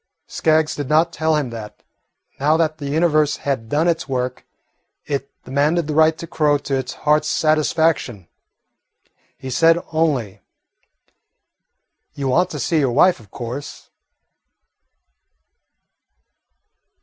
Skaggs did not tell him that, now that the Universe had done its work, it demanded the right to crow to its heart's satisfaction. He said only, "You want to see your wife, of course?"